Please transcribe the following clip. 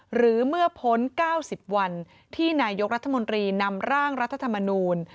หรือเมื่อพ้น๙๐วันที่นายกรัฐมนตรีนำร่างรัฐธรรมนูล